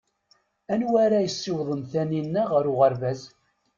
Anwa ara yessiwḍen Taninna ɣer uɣerbaz?